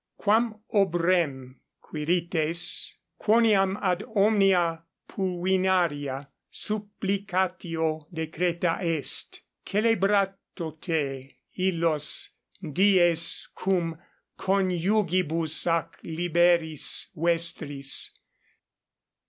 = Quam ob rem, Quirites, quoniam ad omnia pulvinaria 23 supplicatio decreta est, celebratote illos dies cum coniugibus ac liberis vestris.